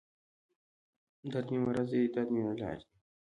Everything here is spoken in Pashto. دردمې مرض دی دردمې علاج دی